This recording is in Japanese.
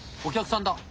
お客さんだ。